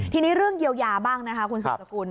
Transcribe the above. ทีนี้เรื่องเยียวยาบ้างนะคะคุณสืบสกุล